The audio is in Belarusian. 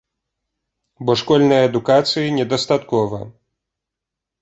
Бо школьнай адукацыі недастаткова.